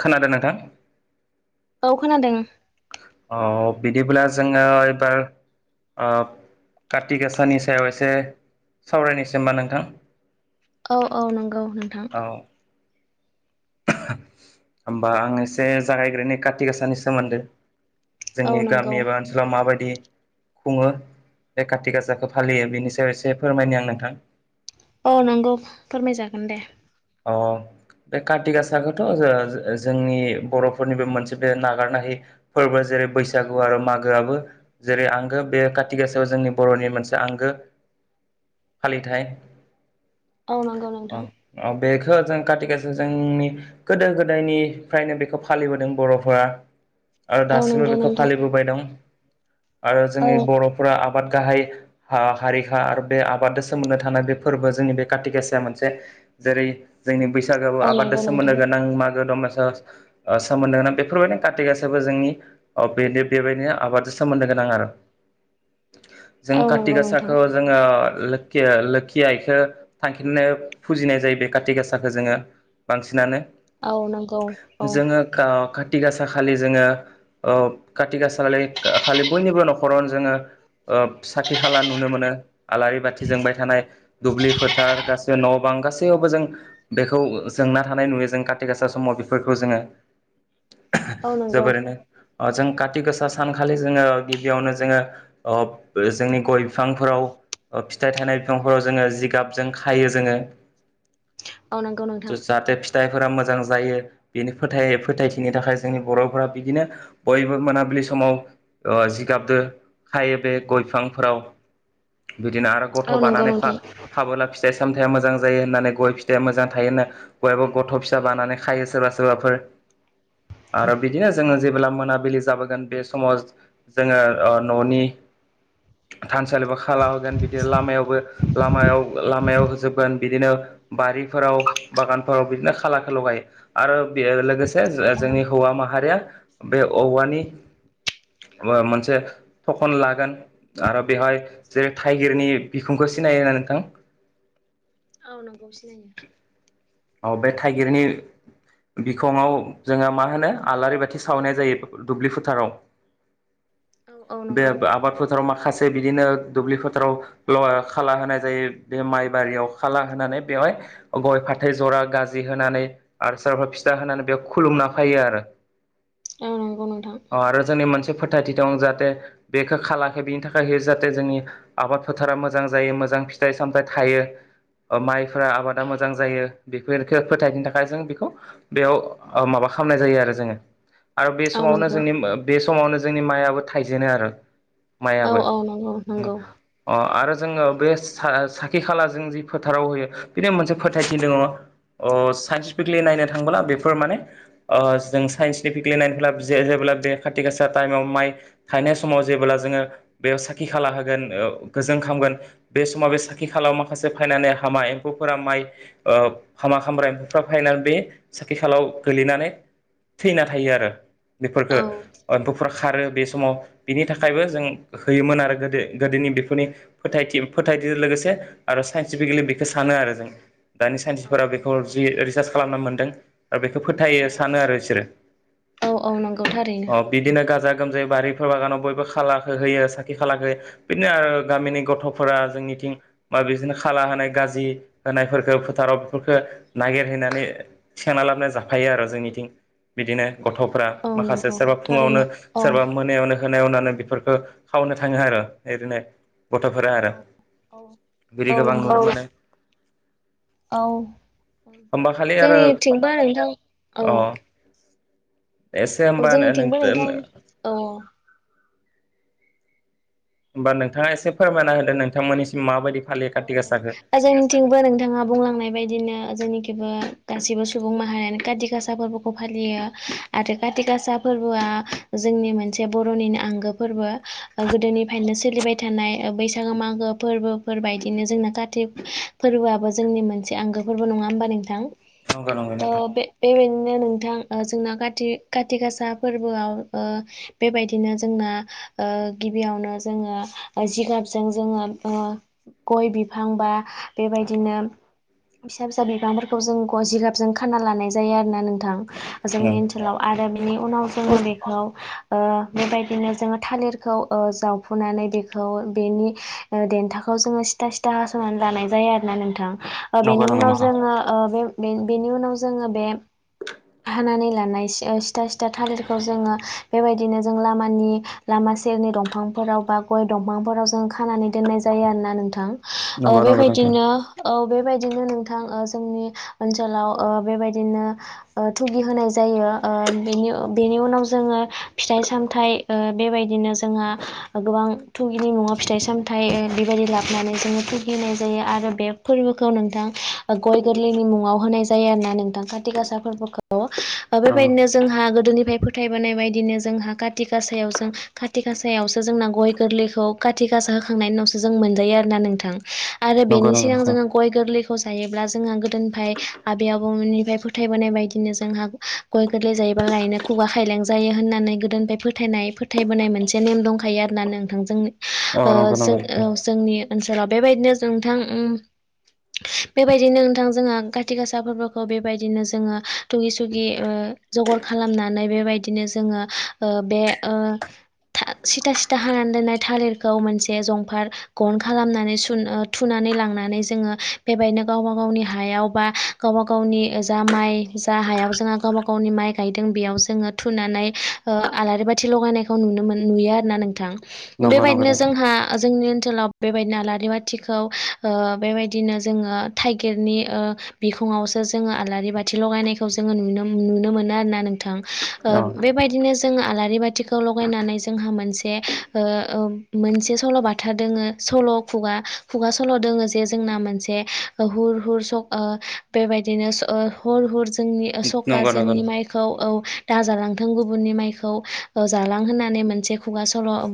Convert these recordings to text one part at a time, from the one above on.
खोनादों नोंथां। औ खोनादों। अ बिदिब्ला जोङो एबार काति गाासानि सायाव एसे सावरायनोसै नङा होमबा नोंथां। औ औ नंगौ नोंथां होमबा आं एसे जागायग्रो नै काथि गाासानि सोमोन्दै औ जोंनि नंगौ गामि एबा ओनसोलाव माबायदि खुङो बे कारति गासाखौ फालियो बेनि सायाव एसे फोरमायनो आं नोंथां औ नंगौ फोरमाय‌ जागोन दे औ बे कार्ति गासाखौथ' जोंनि बर'फोरनिबो मोनसे बे नागारनो है फोरबो जों जेरै बैसागु आरो मागोआबो जेरै आंगो बे कथि गाासायाव जोंनि बर'नि मोनसे आंगो [inaudible] फालिथाय औ नंगौ औ नोंथां औ बेखौ जों खाथि खासे जोंनि गोदो गोदायनिफ्रायनो बेखौ फालिबोदों बर'फोरा आरो औ दासिमबो नंगौ बेखौ नोंथां फालिबोबाय दं आरो औ जोंनि बर'फोरा आबाद गाहाय हारिखा आरो बे आबादजों सोमोन्दो थानाय बे फोरबो जोंनि बे काति गासाया मोनसे जेरै जोंनि बैसागोआवबो औ नंगौ आबादजों नोंथां सोमोन्दो गोनां मागो दमासि सोमोन्दो गोनां बेफोरबायदिनो कथि गाासबो जोंनि बेबायदिनो आबाद सोमोन्दो गोनां [inaudible] [inaudible] जों औ कारति नंगौ नोंथां गासाखौ जोङो लो-लोखि आइखौ थांखिनानै फुजिनाय जायो। बे काति गासा जोङो बांसिनानो औ नंगौ औ जोङो काति गासाखौ बांसिनानो खााथि गासा खालि जोङो खाति गासााय खालि बयनिबो न'खरावनो जोङो साखि खाला नुनो मोनो आलारि बाथि जोंबाय थानाय दुब्लि फोथार गासै न' गैयावबो जों बेखौ जोंना थानाय नुयो जों कारत गासा समाव बेफोरखौ जोङो औ नंगौ जोबोरैनो जों काति गोसा सानखालि जोङो गिबियावनो जोङो जोंनि गय बिफांफोराव फिथाइ थाइनाय बिफांफोराव जोङो जिगाबजों खायो जोङो। औ नंगौ नोंथां जाहाथे फिथाइ फोरा मोजां जायो बेनि फोथायथिनि थाखाय जोंनि बर'फोरा बिदिनो बयबो मोनिलि सम माव जिगाबदो हायो बे गयफांफोराव। [inaudible] बिदिनो आरो गथ' औ नंगौ बानानै नोंथां खाबोला फिथाइ सामथायाइया मोजां जायो होननानै गय फिथाइया मोजां थायोना गयाबो गथ' फिसा बानानै खायो सोरबा सोरबाफोर आरो बिदिनो जोङो जेब्ला मोनाबिलि जाबोगोन बे समाव जोङो न'नि थानसालिबो खाला होगोन बिदिनो लामायावबो लामायाव लामायाव होजोबगोन बिदिनो बारिफोराव बागानफोराव बिदिनो खाला खाल गायो आरो लोगोसे औ जोंनि हौवा मा माहारिया बे औवानि मोनसे थखन लागोन आरो बेवहाय जेरै थाइगिरनि बिखुंखौ [inaudible] लायो नोंथां औ नंगौ सिखाङो। औ बे थाइगिरनि बिखङाव जोङो मा होनो आलारि बाथि सावनाय जायो दुब्लि फोथाराव औ औ बे नंगौ आबा आबाद फोथाराव माखासे बिदिनो दुब्लि फोथाराव ल खाला होनाय जायो बे माइ बारियाव खाला होनानै बेवहाय गय फाथ थै जरा गाजि होनानै आरो सोरबा फिथा होनानै बेयाव खुलुमना फैयो आरो औ नंगौ नोंथां अ आरो जोंनि मोनस फोथायथि दं जाहाथे बेखौ खालाखै बिनि थाखाय जाहाथे जोंनि आबाद फोथारा मोजां जायो मो जां फिथाइ सामथाइ थायो माइफोरा आबादा मोजां जायो बेफोरखो फोथायनो थाखाय जों बेखौ बेयाव ओ माबा खामनाय जायो आरो जोङो आरो बे औ समावनो नंगौ जोंनि मो बे समावनो जोंनि मायाबो थायजेनो आरो औ मायाबो औ नंगौ उम नंगौ अ आरो जोङो बे सा साखि खाला जों जि फोथाराव होयो बिनि मोनसे फोथायथि दङ अ साइन्टिफिकेलि नायनो थाङोब्ला बेफोर माने ओ जों साइन्टिफिकेलि नायनोब्ला जे यो जेब्ला बे खाथि गासा टाइमाव माइ थायनाय समाव जेब्ला जोङो बेयाव साखि खाला होगोन ओ गोजों खामगोन बे समाव बे साखि खालायाव माखासे फायनानै हामा एम्फौफोरा माइ ओ हामा खामग्रा एम्फौफ्रा फैनानै बे साखि खालायाव गोलैनानै थैना थायो आरो बेफोरखो औ एम्फौफोरा औ खारो बे समाव बिनि थाखायबो जों औ होयोमोन आरो गोदो गोदोनि बेफोरनि फोथायथि फोथायथिजों लोगोसे आरो साइन्टिफिकेलि बेखौ सानो आरो जों दानि औ फोराव नंगौ बेखौ जि रिसार्च खालामना मोनदों बेखौ औ फोथायो सानो आरो बिसोरो औ औ नंगौ थारैनो अ बिदिनो गाजा गोमजायै बारि फो बागानाव बयबो खालाखो होयो साखि खालाखो बिदिनो आरो गामिनि गथ'फोरा जोंनिथिं बिदिनो खाला होनाय गाजि होनायफोरखो फोथाराव फोरखो नागिरहैनानै सेना लाबोना जाफायो आरो जोंनिथिं बिदिनो गथ'फ्रा औ माखासे नंगौ सोरबा फुङावनो थारैनो औ सोरबा मोनायावनो होनायावनानो बेफोरखौ खावनो थाङो आरो ओरैनो गथ'फोरा औ आरो औ बिदि गोबां नु नंगौ [unintelligible] औ औ होमबा खालि आरो जोंनिथिंबो नोंथां औ अ एसे औ होमबा नों जोंनिथिंबो थो नोंथां नो औ होमबा नोंथाङा एसे फोरमायना होदो नोंथांमोननिसिम माबायदि फालियो काति गासाखौ औ जोंनिथिंबो नोंथाङा बुंलांनाय बायदिनो जोंनि खैबो गासिबो सुबुं माहारियानो काति गासा फोरबोखौ फालियो आरो काथि गासा फोरबोआ आ जोंनि मोनसे बर'निनो आंगो फोरबो गोदोनिफ्रायनो सोलिबाय थानाय बैसागो मागो फोरबो फोरबायदिनो जोंना कातिक फोरबोआबो जोंनि मोनसे आंगो फोरबो नङा होमबा नोंथां नंगौ नंगौ आ नोंथां बे बे बें नो नोंथां ओ जोंना खाथि खाथि गासा फोरबोआव ओ बेबायदिनो जोंना ओ गिबियावनो जोङो जिगाबजों जोङो ओ गय बिफां बा बेबायदिनो फिसा फिसा बिफांफोरखौ जों ग जिगाब जों खाना लानाय जायो आरोना नोंथां औ जोंनि ओनसोलाव आरो बिनि उनाव जोङो बेखौ ओ बेबायदिनो जोङो थालिरखौ ओ जावफुनानै बेखौ बेनि देन्था खौ जोङो सिथा सिथा हास'नानै लानाय जायो आरोना नोंथां ओ नंगौ बेनि नंगौ उनाव नोंथां जोङो ओ बे बे बेनि उनाव जोङो बे हानानै लानाय सि सिथा सिथा थालिरखौ जोङो बेबायदिनो जों लामानि लामा सेरनि दंफांफोराव बा गय दंफांफोराव जों खानानै दोननाय जायो जायो‌ आरोना नोंथां ओ नंगौ नंगौ नोंथां बेबायदिनो औ बेबाय दिनो नोंथां ओ जोंनि ओनसोलाव ओ बेबायदिनो ओ थुगि होनाय जायो ओ ओ बेनि बेनि उनाव जोङो फिथाइ सामथाइ ओ बेबायदिनो जोंहा गोबां थुगिनि मुं'आव फिथाइ सामथाइ बेबायदि लाबोनानै जोङो फुगिनाय जायो आरो बे फोरबोखौ नोंथां गय गोरलैनि मुङाव होनाय जायो आरोना नोंथां काथि गासा फोरबोखौ ओ औ बेबायदिनो जोंहा गोदोनिफ्राय फोथायबोनाय बायदिनो जोंहा काथिगासायाव जों काथिगासायावसो जोंना गय गोरलैखौ काथिगासा होखांनायनि उनावसो जों मोनजायो आरोना नोंथां आरो नंगौ बेनि नंगौ सिगां नोंथां जोङो गय गोरलैखौ जायोब्ला जोंहा गोदोनिफ्राय आबै आबौमोनिफ्राय फोथायबोनाय बायदिनो जोंहा गय गोरलै जायो बालायनो खुगा खायलें जायो होननानै गोदोनिफ्राय फोथायनाय फोथायबोनाय मोनसे नेम दंखायो आरोना नोंथां जों औ ओ नंगौ नामा नोंथां जोंनि ओनसोलाव बेबायदिनो जोंथां उम बेबायदिनो नोंथां जोंहा काथि गासा फोरबोखौ बेबायदिनो जोङो थुगि सुगि ओ जगर खालामनानै बेबायदिनो जोङो ओ बे ओ था सिथा सिथा हानानै दोननाय थालिरखौ मोनसे जं फार गन खालामनानै सुन ओ थुनानै लांनानै जोङो बेबादिनो गावबागावनि हायाव बा गावबा गावनि जा माइ जा हायाव जोंहा गावबा गावनि माइ गायदों बेयाव जोङो थुनानै ओ आलारि बाथि लगायनायखौ मोन नुयो आरोना नोंथां नंगौ नंगौ बेबायदिनो नोंथां जोंहा जोंनि ओनसोलाव बेबायदिनो आलारि बाथिखौ ओ बेबायदिनो जोङो थाइगिरनि ओ बिखङावसो जोङो आलारि बाथि लगायनायखौ जोङो नुनो नुनो मोनो आरोना नोंथां ओ औ बे बेबायदिनो जों आलारि बाथिखौ लायनानै जोंहा मोनसे ओ मोनसे सल' बाथा दोङो सल' खुगा खुगा सल' दोङो जे जोंना मोनसे हुर हुर स ओ बेबायदिनो ओ हुर हुर जोंनि सखा नंगौ नंगौ जोंनि माइखौ औ दाजालांथों गुबुननि माइखौ ओ जालां होननानै मोनसे खुगा सम' ओ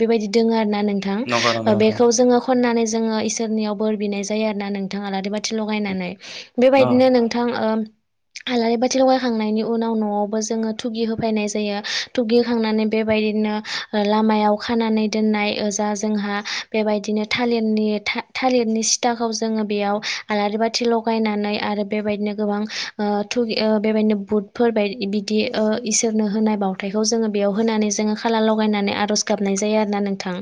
बेबायदि दोङो आरोना नोंथां नंगौ ओ नंगौ नोंथां बेखौ जोङो खननानै जोङो इ सोरनियाव बोर बिनाय जायो आरो ना नोंथां आलारि बाथि लगायनानै औ बेबायदिनो नोंथां ओ आलारि बाथि लगायखांनायनि उनाव न'आवबो जोङो थुगि होफैनाय जायो थुगि होखांनानै बेबाय दिनो लामायाव खानानै दोननाय ओ जा जोंहा बेबायदिनो थालिरनि थालिरनि सिथाखौ जोङो बेयाव आलारि बाथि लगायनानै आरो बेबायदिनो गोबां ओ थुगि ओ बेबायदिनो बुटफोर बायदि बिदि ओ इसोरनो होनाय बावथायखौ जोङो बेयाव होनानै जोङो खाला लगायनानै आर'ज गाबनाय जायो आरो ना नोंथां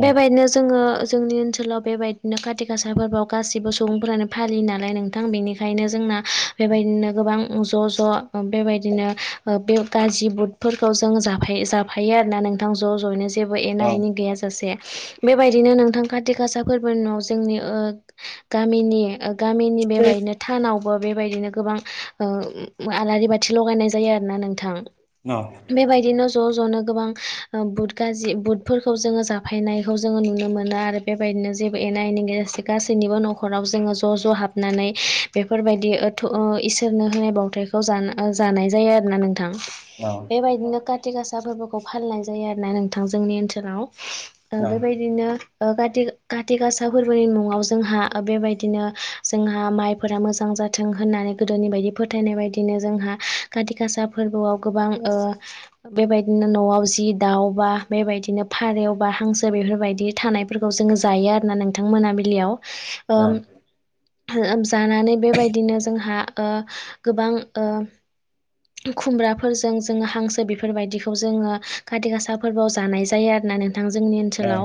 औ बेबायदिनो जोङो जोंनि ओनसोलाव बेबायदिनो खाथि गासा फोरबोआव गासिबो सुबुंफोरानो फालियो नालाय नोंथां बेनिखायनो जों ना बेबायदिनो गोबां ज' ज' बेबायदिनो बे गाज्रि बुटफोरखौ जों जों जाफा जाफायो आरोना नोंथां ज' जयैनो जेबो एना औ एनि गैयााजासे बेबायदिनो नोंथां कातिगासा फोरबोनि उनाव जोंनि गामिनि गामिनि बेबायदिनो टानाव बो बेबायदिनो गोबां ओ आलारि बाथि लगायनाय जायो आरो ना नोंथां औ बेबायदिनो ज' ज'नो गोबां बुद गाज्रि बुटफोरखौ जोङो जाफायनायखौ जोङो नुनो मोनो आरो बेबायदिनो जेबो एना एनि ग गासैनिबो न'खराव खराव जोङो ज' ज' हाबनानै बेफोरबायदि ओथ इसोरनो होनाय बावथायखौ जाना जान लानाय जायो आरोना नोंथां औ बेबायदिनो कातिगासा फोरबोखौ फालिनाय जायो आरो ना नोंथां जोंनि ओनसोलाव ओ औ बेबायदिनो ओ काथि काथिगासा फोरबोनि मुङाव जोंहा बेबायदिनो जोंहा माइफोरा मोजां जाथों होन्नानै गोदोनि बायदि फोथायनाय बायदिनो जोंहा काथिगासा फोरबोआव गोबां ओ बेबायदिनो न'आव जि दाउबा बेबायदिनो फारौ बा हांसो बेफोरबायदि थानायफोरखौ जोङो जायो आरोना नोंथां मोनाबिलियाव ओम जानानै बेबायदिनो जोंहा ओ गोबां ओ खुमब्राफोरजों जोङो हांसो बेफोरबायदिखौ जोङो खाथि गासाफोरबोआव जा नाय जायो आरोना नोंथां जोंनि ओनसोलाव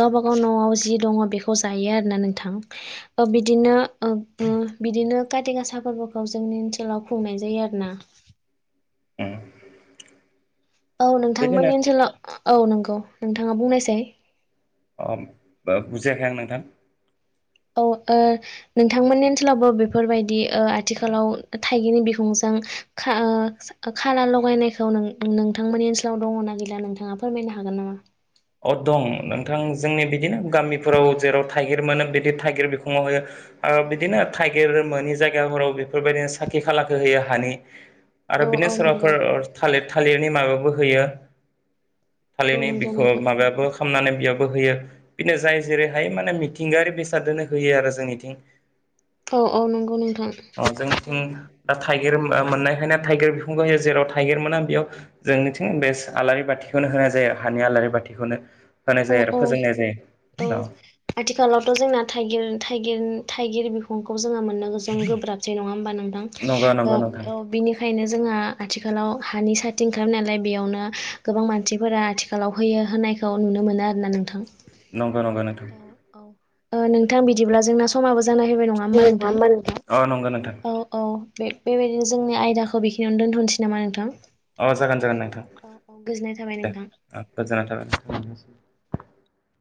गावबागाव न'आव जि दङ बेखौ जायो आरोना नोंथां बिदिनो बिदिनो खाथि गासा फोरबोखौ जोंनि ओनसोलाव खुंनाय जायो आरोना औ बिदिनो नोंथांमोननि ओनसोलाव औ नंगौ नोंथाङा बुंनोसै अ बुजियाखै आं नोंथां औ नोंथांमोननि ओनसोलावबो बेफोरबायदि आथिखालाव थाइगिनि बिखुं जायो खाला लगायनायखौ नोंथांनि ओनसोलाव दंङोना गैला नोंथांङा फोरमाय नो हागोन नामा अ दं नोंथां जोंनि बिदिनो गामिफोराव जेराव थाइगिर मोनो बिदि थाइगिर बिखंङाव होयो बिदिनो थाइगिर मोनोनि जायगाफोराव बेफोरबायदिनो साखि खालाखौ होयो हानि आरो औ बिदिनो औ नंगौ सोरबाफोर थालिर थालिरनि माबाबो होयो औ थालिरनि नंगौ बिखौ नोंथां माबायाबो खालामनानै बेयावाब होयो बिदिनो जाय जेरैहाय माने मिथिंगायारि बेसादनो होयो आरो जोंनिथिं औ औ नंगौ नोंथां जोंंनि थिं थाइगिर मोननायखायनो थाइगिर बिखुंखौ जेराव थाइगिर मोना बेयाव जोंनिथिं आलारि बाथिखौ होनाय जायो हानि आलारि बाथिखौनो होनाय औ जायो आरो औ फोजोंनाय जायो । औ आथिखालावथ' जोंना थाइगिर थगिर थाइगिर बे फंखौ जोंङो मोननो गोब्राब नंङा नंगौ होमबाना नंगौ नोंथां बिनिखायनो जोंहा आथिखालाव हानि साथिं ओंखारनायालाय बेयावनो गोबां मानसिफोरा आथिखालाव होयो होननायखौ नुनो मोनो आरोना नोंथां नंगौ नंगौ नोंथां औ - औ नोंथां बिदिब्ला जोंना समा जनाय फैनाय नंङा हबा नङा नोंथां होमबा अ नंगौ नोंथां औ औ बेबायदिनो जोंनि आयदाखौ बेयावनो दोनथ'सै नामा नोंथां औ जागोन जागोन नायोन औ औ गोजोननाय थाबाय दे नोंथां गोजोन थाबाय